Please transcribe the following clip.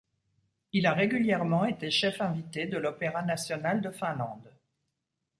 Il a régulièrement été chef invité de l'Opéra national de Finlande.